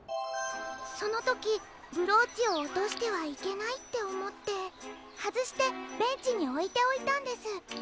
そのときブローチをおとしてはいけないっておもってはずしてベンチにおいておいたんです。